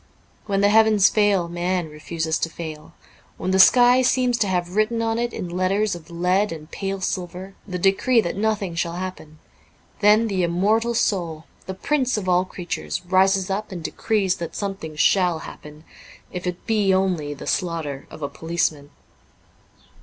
When the heavens fail man refuses to fail ; when the sky seems to have written on it, in letters of lead and pale silver, the decree that nothing shall happen, then the immortal soul, the prince of all creatures, rises up and decrees that something shall happen, if it be only the slaughter of a policeman.